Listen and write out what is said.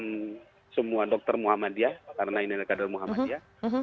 dan semua dokter muhammadiyah karena ini adalah kader muhammadiyah